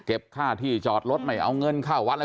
ค่าที่จอดรถไม่เอาเงินเข้าวัดอะไร